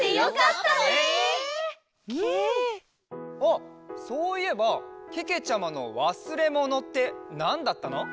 あっそういえばけけちゃまのわすれものってなんだったの？